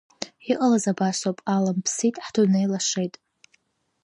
Иҟалаз абас ауп, Алым ԥсит, ҳдунеи лашеит…